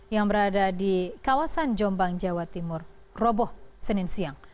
yang berada di kawasan jombang jawa timur roboh senin siang